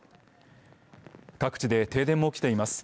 各地で停電も起きています。